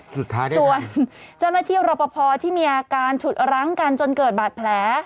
ส่วนเจ้าหน้าที่รับประพ่อที่มีอาการฉุดรั้งกันจนเกิดบาดแผล